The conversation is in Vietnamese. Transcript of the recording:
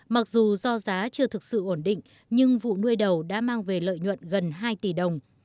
mặc dù do giá chưa thực sự ổn định nhưng vụ nuôi đầu đã mang về lợi nhuận gần hai tỷ đồng